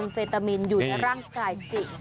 เฟตามินอยู่ในร่างกายจริง